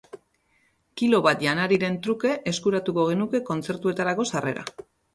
Kilo bat janariren truke eskuratuko genuke kontzertuetarako sarrera.